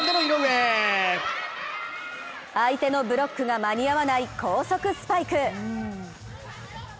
相手のブロックが間に合わない高速スパイク。